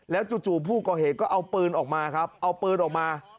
จู่ผู้ก่อเหตุก็เอาปืนออกมาครับเอาปืนออกมา